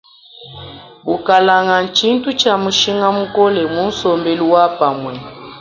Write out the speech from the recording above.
Bukalanga tshintu tshia mushinga mukole mu sombelu wa pamue.